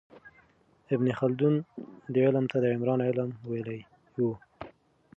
ابن خلدون دې علم ته د عمران علم ویلی و.